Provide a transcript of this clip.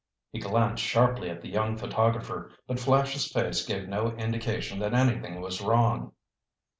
He glanced sharply at the young photographer, but Flash's face gave no indication that anything was wrong.